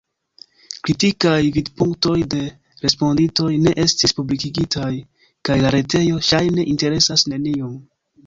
Kritikaj vidpunktoj de respondintoj ne estis publikigitaj, kaj la retejo ŝajne interesas neniun.